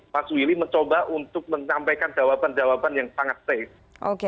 mas willy mencoba untuk menyampaikan jawaban jawaban yang sangat safe